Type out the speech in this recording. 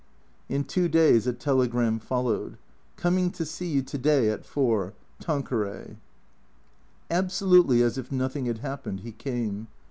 In two days a telegram followed. " Coming to see you to day at four. Tanqueray." Absolutely as if nothing had happened, he came.